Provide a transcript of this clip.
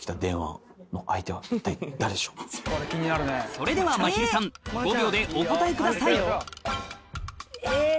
それではまひるさん５秒でお答えくださいえ